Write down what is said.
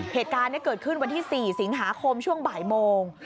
เหตุการณ์นี้เกิดขึ้นวันที่๔สิงหาคมช่วงบ่ายโมง